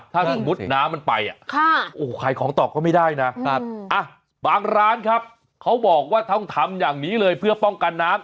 ถ้าสมมุติน้ำมันไปขายของต่อก็ไม่ได้นะบางร้านครับเขาบอกว่าต้องทำอย่างนี้เลยเพื่อป้องกันน้ำ